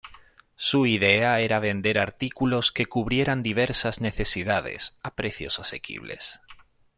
Su idea era vender artículos que cubrieran diversas necesidades, a precios asequibles.